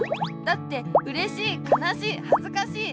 だって「うれしい」「かなしい」「はずかしい」